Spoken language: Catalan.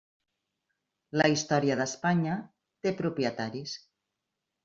La història d'Espanya té propietaris.